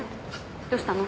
どうしたの？